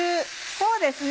そうですね